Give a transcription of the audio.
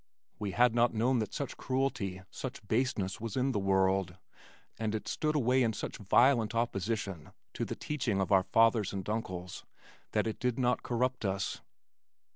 We had not known that such cruelty, such baseness was in the world and it stood away in such violent opposition to the teaching of our fathers and uncles that it did not corrupt us.